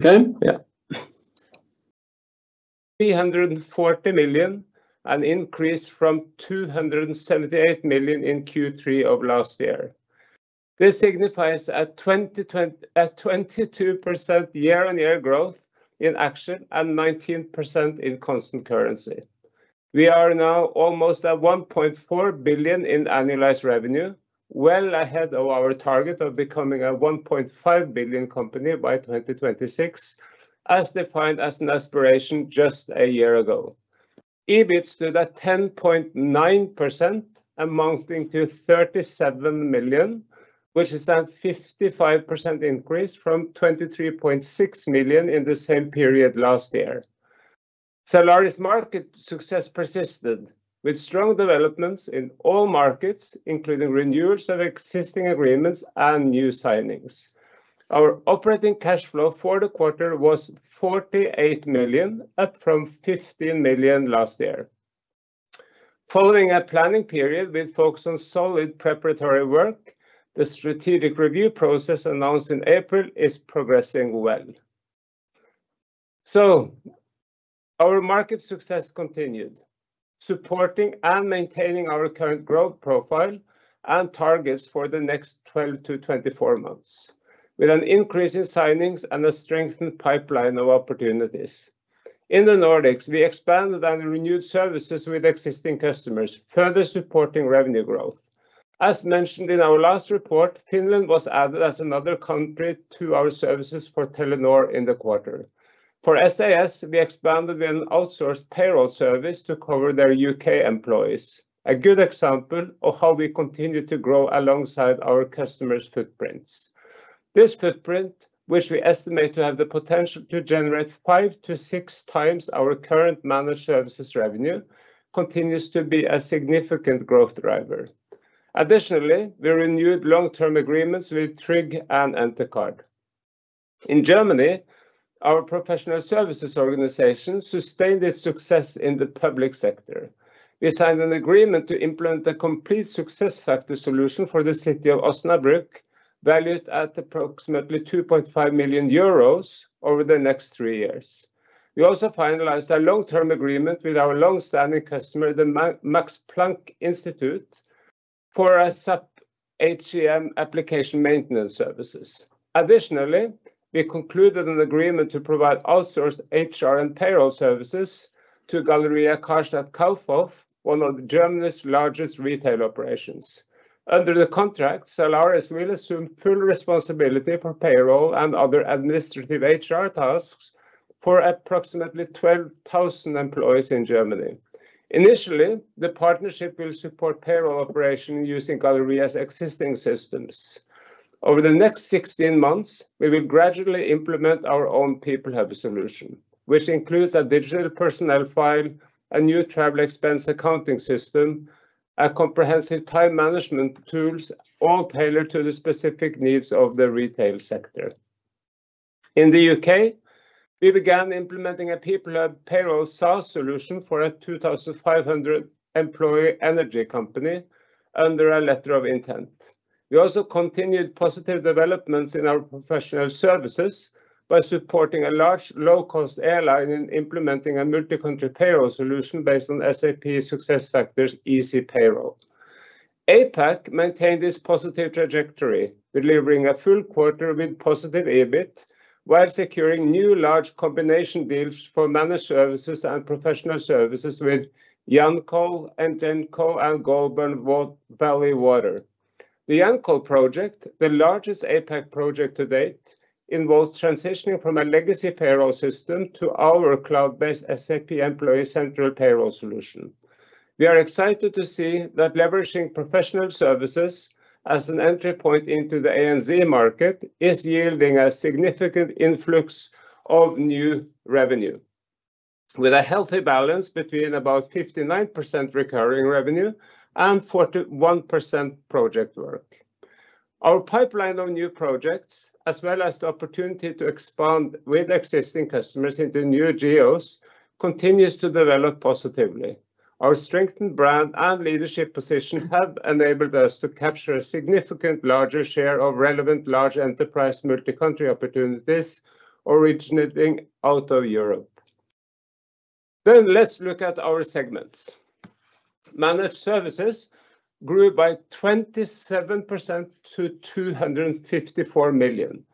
Okay? Yeah. 340 million, an increase from 278 million in Q3 of last year. This signifies a 22% year-on-year growth in NOK, and 19% in constant currency. We are now almost at 1.4 billion in annualized revenue, well ahead of our target of becoming a 1.5 billion company by 2026, as defined as an aspiration just a year ago. EBIT stood at 10.9%, amounting to 37 million, which is a 55% increase from 23.6 million in the same period last year. Zalaris market success persisted, with strong developments in all markets, including renewals of existing agreements and new signings. Our operating cash flow for the quarter was 48 million, up from 15 million last year. Following a planning period with focus on solid preparatory work, the strategic review process announced in April is progressing well, so our market success continued, supporting and maintaining our current growth profile and targets for the next twelve to twenty-four months, with an increase in signings and a strengthened pipeline of opportunities. In the Nordics, we expanded and renewed services with existing customers, further supporting revenue growth. As mentioned in our last report, Finland was added as another country to our services for Telenor in the quarter. For SAS, we expanded an outsourced payroll service to cover their U.K. employees. A good example of how we continue to grow alongside our customers' footprints. This footprint, which we estimate to have the potential to generate five to six times our current managed services revenue, continues to be a significant growth driver. Additionally, we renewed long-term agreements with Tryg and Entercard. In Germany, our professional services organization sustained its success in the public sector. We signed an agreement to implement a complete SuccessFactors solution for the city of Osnabrück, valued at approximately 2.5 million euros over the next three years. We also finalized a long-term agreement with our long-standing customer, the Max Planck Institute, for a SAP HCM application maintenance services. Additionally, we concluded an agreement to provide outsourced HR and payroll services to Galeria Karstadt Kaufhof, one of Germany's largest retail operations. Under the contract, Zalaris will assume full responsibility for payroll and other administrative HR tasks for approximately 12,000 employees in Germany. Initially, the partnership will support payroll operation using Galeria's existing systems. Over the next 16 months, we will gradually implement our own PeopleHub solution, which includes a digital personnel file, a new travel expense accounting system, a comprehensive time management tools, all tailored to the specific needs of the retail sector. In the UK, we began implementing a PeopleHub payroll SaaS solution for a 2,500-employee energy company under a letter of intent. We also continued positive developments in our professional services by supporting a large, low-cost airline in implementing a multi-country payroll solution based on SAP SuccessFactors EC Payroll. APAC maintained this positive trajectory, delivering a full quarter with positive EBIT, while securing new large combination deals for managed services and professional services with Yancoal and Goulburn Valley Water. The Yancoal project, the largest APAC project to date, involves transitioning from a legacy payroll system to our cloud-based SAP Employee Central Payroll solution. We are excited to see that leveraging professional services as an entry point into the ANZ market is yielding a significant influx of new revenue, with a healthy balance between about 59% recurring revenue and 41% project work. Our pipeline of new projects, as well as the opportunity to expand with existing customers into new geos, continues to develop positively. Our strengthened brand and leadership position have enabled us to capture a significant larger share of relevant large enterprise multi-country opportunities originating out of Europe, then let's look at our segments. Managed services grew by 27% to 254 million.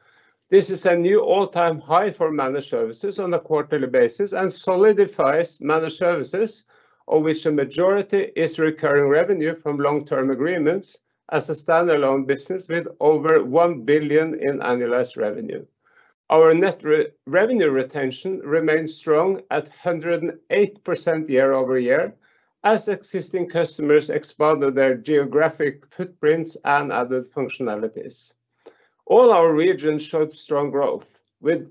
This is a new all-time high for managed services on a quarterly basis and solidifies managed services, of which a majority is recurring revenue from long-term agreements as a standalone business with over 1 billion in annualized revenue. Our net revenue retention remains strong at 108% year over year, as existing customers expanded their geographic footprints and added functionalities. All our regions showed strong growth, with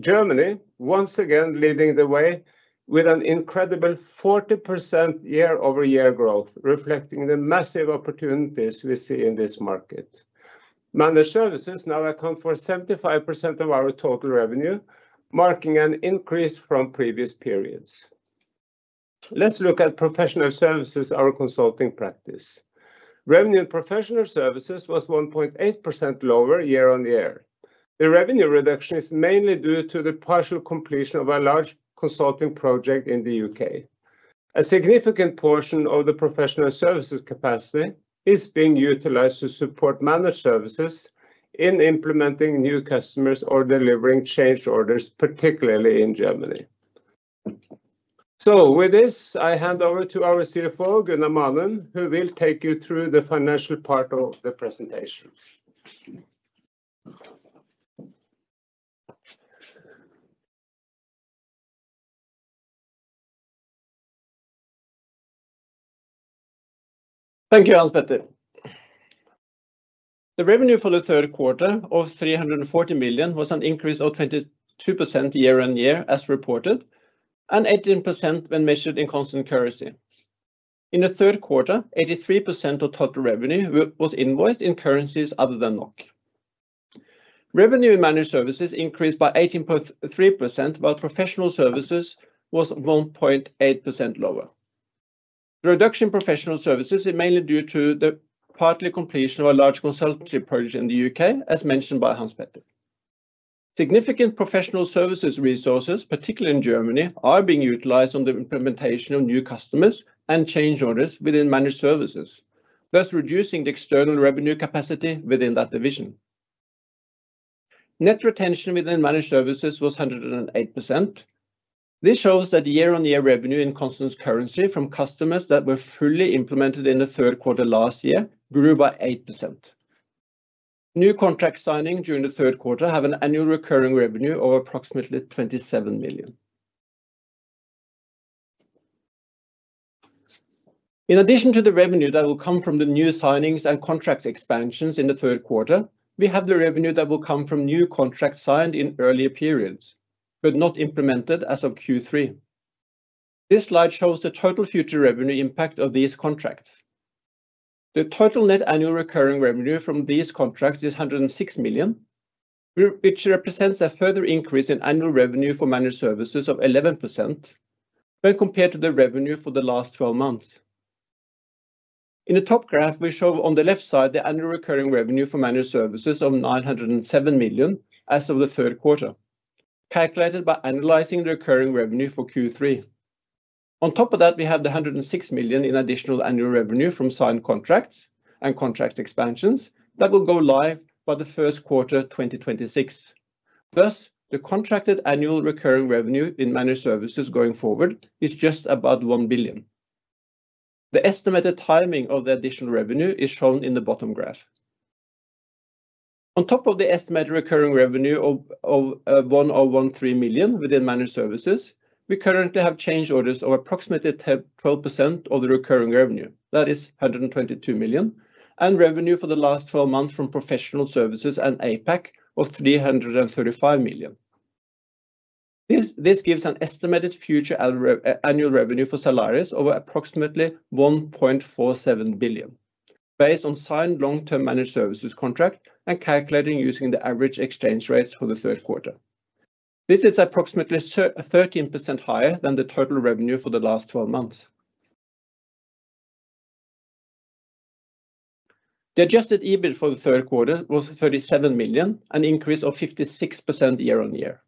Germany once again leading the way with an incredible 40% year-over-year growth, reflecting the massive opportunities we see in this market. Managed services now account for 75% of our total revenue, marking an increase from previous periods. Let's look at professional services, our consulting practice. Revenue in professional services was 1.8% lower year-on-year. The revenue reduction is mainly due to the partial completion of a large consulting project in the U.K. A significant portion of the professional services capacity is being utilized to support managed services in implementing new customers or delivering change orders, particularly in Germany. With this, I hand over to our CFO, Gunnar Manum, who will take you through the financial part of the presentation. Thank you, Hans-Petter. The revenue for the third quarter of 340 million was an increase of 22% year-on-year as reported, and 18% when measured in constant currency. In the third quarter, 83% of total revenue was invoiced in currencies other than NOK. Revenue in managed services increased by 18.3%, while professional services was 1.8% lower. The reduction in professional services is mainly due to the partial completion of a large consultancy project in the UK, as mentioned by Hans-Petter. Significant professional services resources, particularly in Germany, are being utilized on the implementation of new customers and change orders within managed services, thus reducing the external revenue capacity within that division. Net retention within managed services was 108%. This shows that year-on-year revenue in constant currency from customers that were fully implemented in the third quarter last year grew by 8%. New contract signing during the third quarter have an annual recurring revenue of approximately 27 million. In addition to the revenue that will come from the new signings and contract expansions in the third quarter, we have the revenue that will come from new contracts signed in earlier periods, but not implemented as of Q3. This slide shows the total future revenue impact of these contracts. The total net annual recurring revenue from these contracts is 106 million, which represents a further increase in annual revenue for managed services of 11% when compared to the revenue for the last twelve months. In the top graph, we show on the left side the annual recurring revenue for managed services of 907 million as of the third quarter, calculated by analyzing the recurring revenue for Q3. On top of that, we have the 106 million in additional annual revenue from signed contracts and contract expansions that will go live by the first quarter, 2026. Thus, the contracted annual recurring revenue in managed services going forward is just about 1 billion. The estimated timing of the additional revenue is shown in the bottom graph. On top of the estimated recurring revenue of 1013 million within managed services, we currently have change orders of approximately 10% to 12% of the recurring revenue. That is 122 million, and revenue for the last four months from professional services and APAC of 335 million. This gives an estimated future annual revenue for Zalaris of approximately 1.47 billion, based on signed long-term managed services contract and calculating using the average exchange rates for the third quarter. This is approximately 13% higher than the total revenue for the last twelve months. The adjusted EBIT for the third quarter was 37 million, an increase of 56% year-on-year.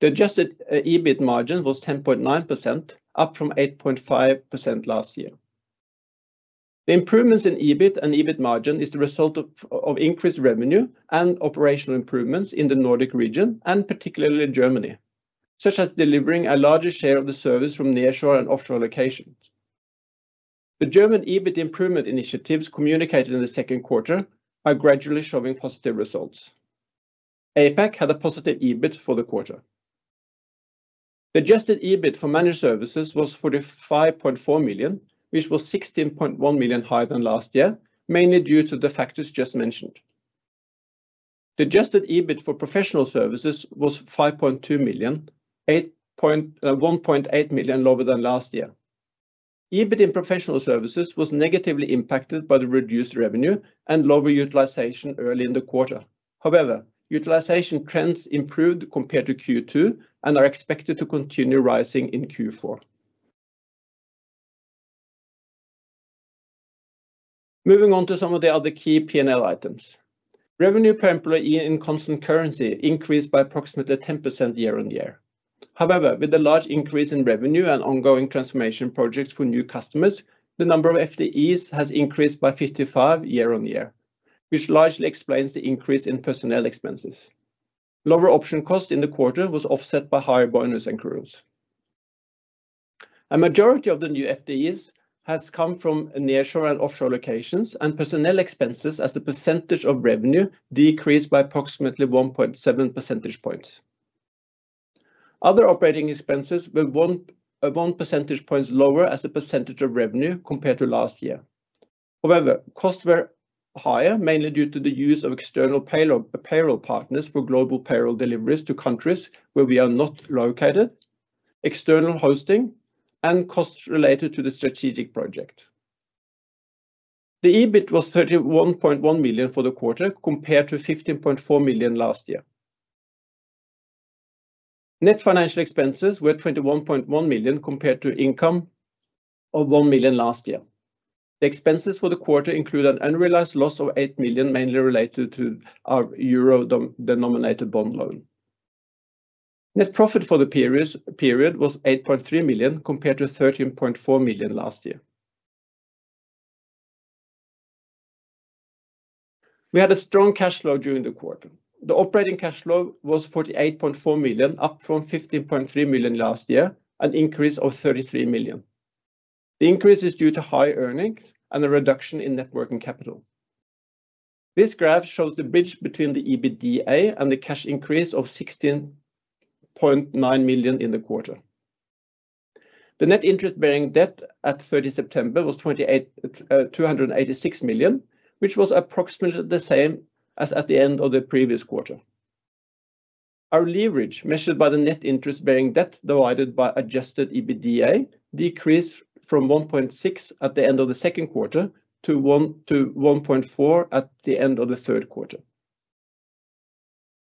The adjusted EBIT margin was 10.9%, up from 8.5% last year. The improvements in EBIT and EBIT margin is the result of increased revenue and operational improvements in the Nordic region and particularly in Germany, such as delivering a larger share of the service from nearshore and offshore locations. The German EBIT improvement initiatives communicated in the second quarter are gradually showing positive results. APAC had a positive EBIT for the quarter. The adjusted EBIT for managed services was 45.4 million, which was 16.1 million higher than last year, mainly due to the factors just mentioned. The adjusted EBIT for professional services was 5.2 million, 1.8 million lower than last year. EBIT in professional services was negatively impacted by the reduced revenue and lower utilization early in the quarter. However, utilization trends improved compared to Q2 and are expected to continue rising in Q4. Moving on to some of the other key P&L items. Revenue per employee in constant currency increased by approximately 10% year-on-year. However, with the large increase in revenue and ongoing transformation projects for new customers, the number of FTEs has increased by 55 year-on-year, which largely explains the increase in personnel expenses. Lower option cost in the quarter was offset by higher bonus accruals. A majority of the new FTEs has come from nearshore and offshore locations, and personnel expenses as a percentage of revenue decreased by approximately 1.7 percentage points. Other operating expenses were 1 percentage points lower as a percentage of revenue compared to last year. However, costs were higher, mainly due to the use of external payroll, payroll partners for global payroll deliveries to countries where we are not located, external hosting, and costs related to the strategic project. The EBIT was 31.1 million for the quarter, compared to 15.4 million last year. Net financial expenses were 21.1 million, compared to income of 1 million last year. The expenses for the quarter include an unrealized loss of 8 million, mainly related to our euro-denominated bond loan. Net profit for the period was 8.3 million, compared to 13.4 million last year. We had a strong cash flow during the quarter. The operating cash flow was 48.4 million, up from 15.3 million last year, an increase of 33 million. The increase is due to high earnings and a reduction in net working capital. This graph shows the bridge between the EBITDA and the cash increase of 16.9 million in the quarter. The net interest-bearing debt at 30 September was 286 million, which was approximately the same as at the end of the previous quarter. Our leverage, measured by the net interest-bearing debt divided by Adjusted EBITDA, decreased from 1.6 at the end of the second quarter to 1.4 at the end of the third quarter.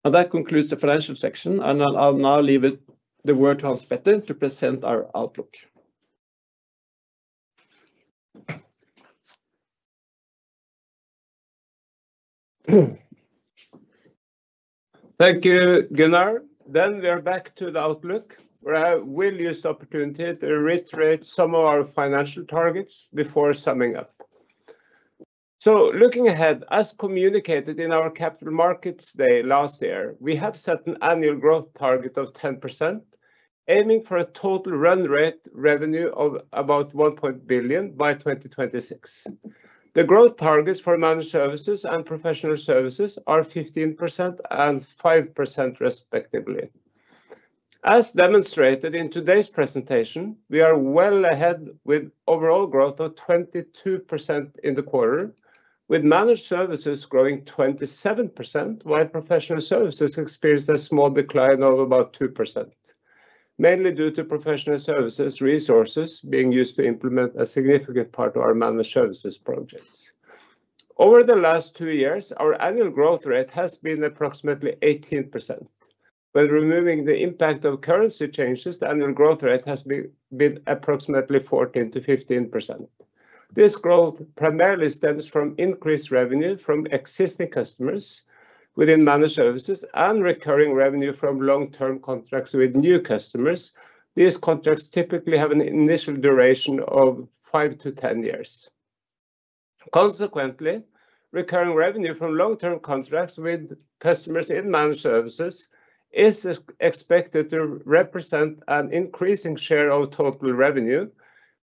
And that concludes the financial section, and I'll now leave the word to Hans-Petter to present our outlook. Thank you, Gunnar. Then we are back to the outlook, where I will use the opportunity to reiterate some of our financial targets before summing up. So looking ahead, as communicated in our Capital Markets Day last year, we have set an annual growth target of 10%, aiming for a total run rate revenue of about 1 billion by 2026. The growth targets for managed services and professional services are 15% and 5% respectively. As demonstrated in today's presentation, we are well ahead with overall growth of 22% in the quarter, with managed services growing 27%, while professional services experienced a small decline of about 2%, mainly due to professional services resources being used to implement a significant part of our managed services projects. Over the last two years, our annual growth rate has been approximately 18%. While removing the impact of currency changes, the annual growth rate has been approximately 14% to 15%. This growth primarily stems from increased revenue from existing customers within managed services and recurring revenue from long-term contracts with new customers. These contracts typically have an initial duration of 5-10 years. Consequently, recurring revenue from long-term contracts with customers in managed services is expected to represent an increasing share of total revenue,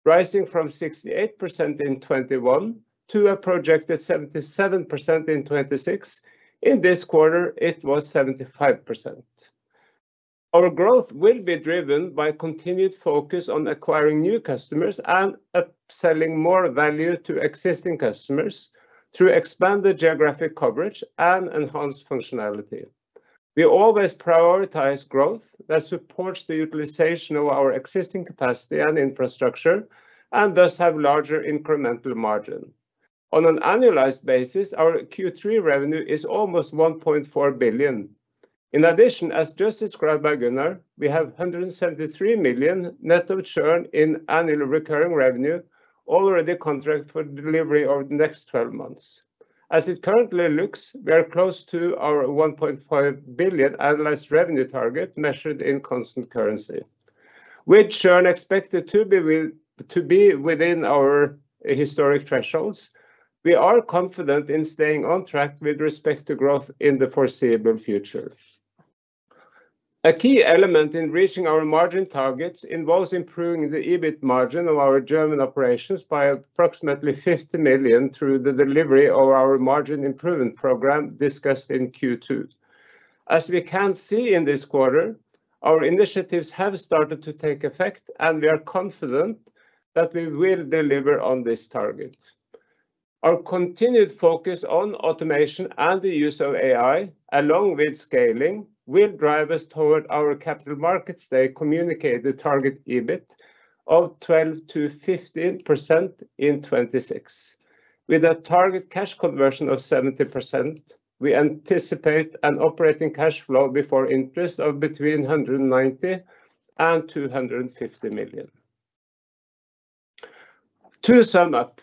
rising from 68% in 2021 to a projected 77% in 2026. In this quarter, it was 75%. Our growth will be driven by continued focus on acquiring new customers and upselling more value to existing customers through expanded geographic coverage and enhanced functionality. We always prioritize growth that supports the utilization of our existing capacity and infrastructure, and thus have larger incremental margin. On an annualized basis, our Q3 revenue is almost 1.4 billion NOK. In addition, as just described by Gunnar, we have 173 million NOK net of churn in annual recurring revenue, already contracted for delivery over the next twelve months. As it currently looks, we are close to our 1.5 billion NOK annualized revenue target, measured in constant currency, with churn expected to be within our historic thresholds. We are confident in staying on track with respect to growth in the foreseeable future. A key element in reaching our margin targets involves improving the EBIT margin of our German operations by approximately 50 million NOK through the delivery of our margin improvement program discussed in Q2. As we can see in this quarter, our initiatives have started to take effect, and we are confident that we will deliver on this target. Our continued focus on automation and the use of AI, along with scaling, will drive us toward our Capital Markets Day communicated target EBIT of 12% to 15% in 2026. With a target cash conversion of 70%, we anticipate an operating cash flow before interest of between 190 and 250 million. To sum up,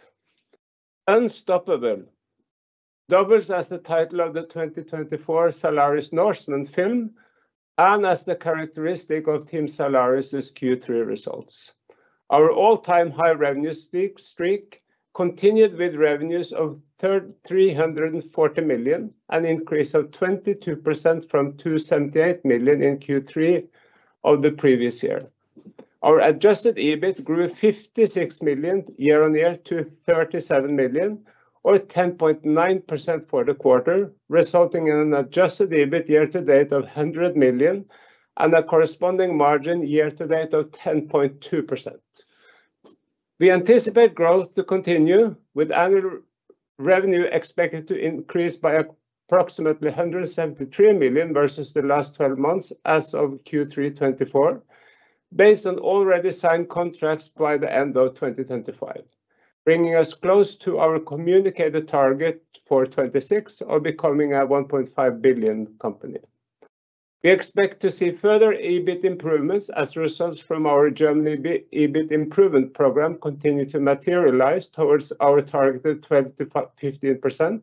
Unstoppable doubles as the title of the 2024 Zalaris Norseman film and as the characteristic of Team Zalaris' Q3 results. Our all-time high revenue streak continued with revenues of 340 million, an increase of 22% from 278 million in Q3 of the previous year. Our Adjusted EBIT grew 56 million year on year to 37 million, or 10.9% for the quarter, resulting in an Adjusted EBIT year to date of 100 million and a corresponding margin year to date of 10.2%. We anticipate growth to continue, with annual revenue expected to increase by approximately 173 million versus the last 12 months as of Q3 2024. Based on already signed contracts by the end of 2025, bringing us close to our communicated target for 2026, of becoming a 1.5 billion company. We expect to see further EBIT improvements as a result from our Germany EBIT improvement program continue to materialize towards our targeted 20% to 15%,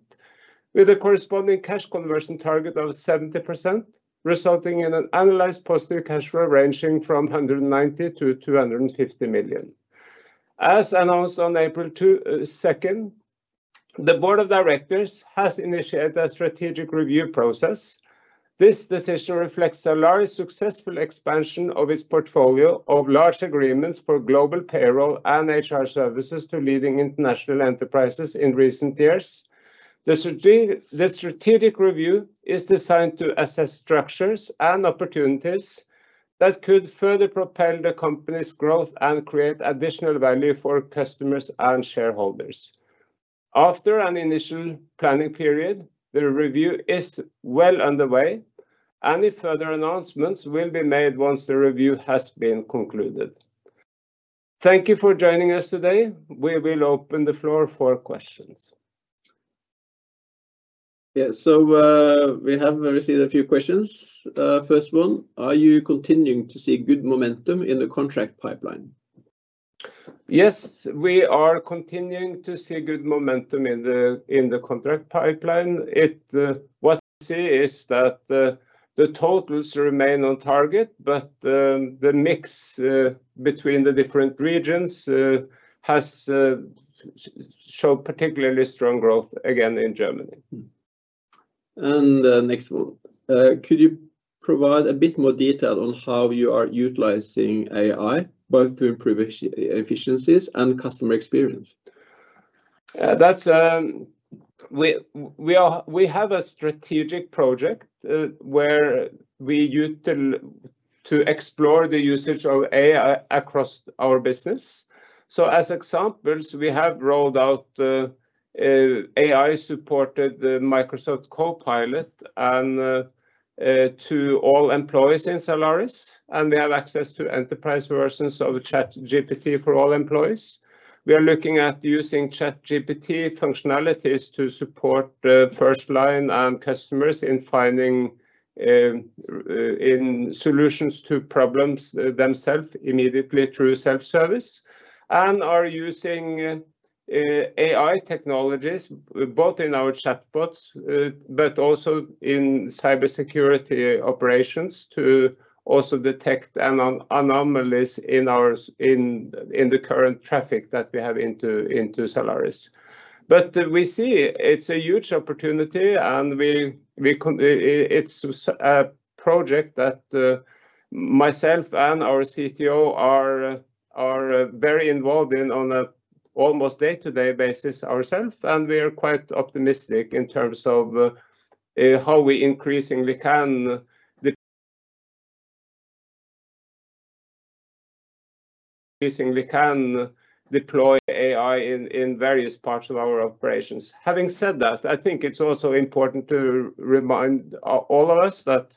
with a corresponding cash conversion target of 70%, resulting in an annualized positive cash flow ranging from 190 to 250 million. As announced on April 2nd, the board of directors has initiated a strategic review process. This decision reflects a large successful expansion of its portfolio of large agreements for global payroll and HR services to leading international enterprises in recent years. The strategic review is designed to assess structures and opportunities that could further propel the company's growth and create additional value for customers and shareholders. After an initial planning period, the review is well underway. Any further announcements will be made once the review has been concluded. Thank you for joining us today. We will open the floor for questions. Yeah, so, we have received a few questions. First one: Are you continuing to see good momentum in the contract pipeline? Yes, we are continuing to see good momentum in the contract pipeline. It, what I see is that the totals remain on target, but the mix between the different regions has showed particularly strong growth again in Germany. Next one. Could you provide a bit more detail on how you are utilizing AI, both to improve efficiencies and customer experience? That's, we have a strategic project where we utilize to explore the usage of AI across our business. So as examples, we have rolled out AI-supported Microsoft Copilot and to all employees in Zalaris, and we have access to enterprise versions of ChatGPT for all employees. We are looking at using ChatGPT functionalities to support the first line and customers in finding in solutions to problems themselves immediately through self-service, and are using AI technologies both in our chatbots but also in cybersecurity operations to also detect anomalies in our in the current traffic that we have into Zalaris. But we see it's a huge opportunity, and we con... It's a project that myself and our CTO are very involved in on an almost day-to-day basis ourselves, and we are quite optimistic in terms of how we increasingly can deploy AI in various parts of our operations. Having said that, I think it's also important to remind all of us that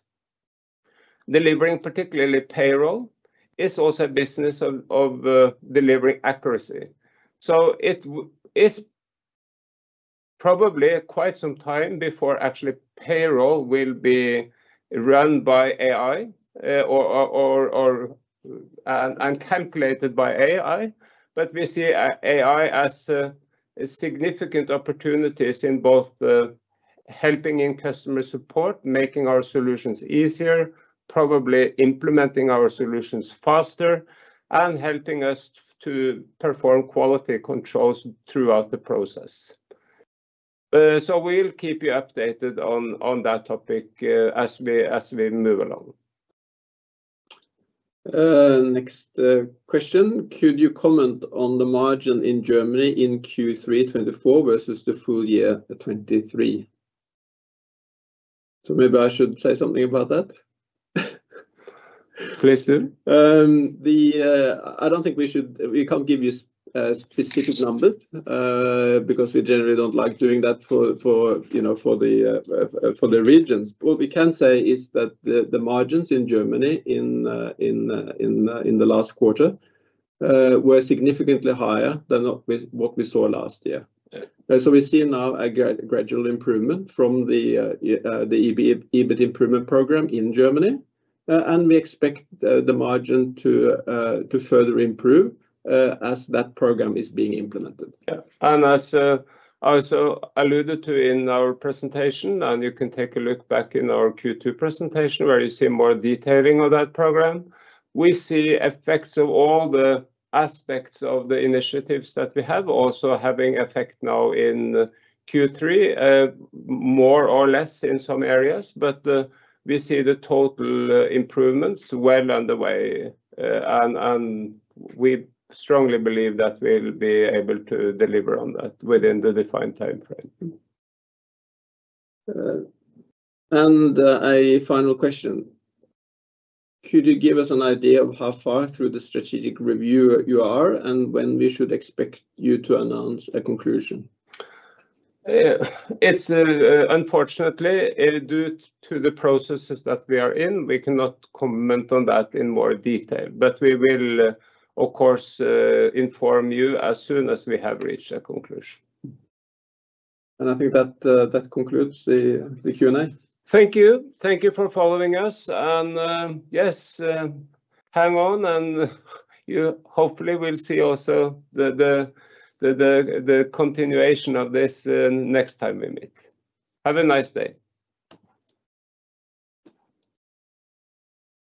delivering, particularly payroll, is also a business of delivering accuracy. So it is probably quite some time before actually payroll will be run by AI, or calculated by AI. But we see AI as a significant opportunities in both helping in customer support, making our solutions easier, probably implementing our solutions faster, and helping us to perform quality controls throughout the process. So we'll keep you updated on that topic as we move along. Next, question: Could you comment on the margin in Germany in Q3 2024 versus the full year 2023? So maybe I should say something about that? Please do. I don't think we should. We can't give you a specific numbers because we generally don't like doing that for, you know, for the regions. What we can say is that the margins in Germany in the last quarter were significantly higher than what we saw last year. Yeah. So we see now a gradual improvement from the EBIT improvement program in Germany, and we expect the margin to further improve as that program is being implemented. Yeah. And as I also alluded to in our presentation, and you can take a look back in our Q2 presentation, where you see more detailing of that program, we see effects of all the aspects of the initiatives that we have also having effect now in Q3, more or less in some areas. But we see the total improvements well underway, and we strongly believe that we'll be able to deliver on that within the defined timeframe. And a final question: Could you give us an idea of how far through the strategic review you are, and when we should expect you to announce a conclusion? It's unfortunately, due to the processes that we are in, we cannot comment on that in more detail. But we will, of course, inform you as soon as we have reached a conclusion. I think that concludes the Q&A. Thank you. Thank you for following us, and yes, hang on, and you hopefully will see also the continuation of this next time we meet. Have a nice day!